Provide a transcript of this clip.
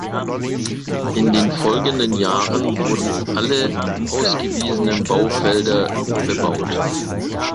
In den folgenden Jahren wurden alle ausgewiesenen Baufelder bebaut.